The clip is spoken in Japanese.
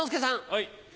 はい。